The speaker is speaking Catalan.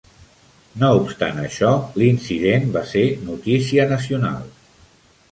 No obstant això, l'incident va ser notícia nacional.